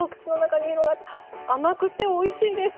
甘くておいしいです！